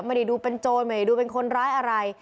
มันเลยดูเป็นโจรย์มันเลยดูเป็นคนร้ายอะไร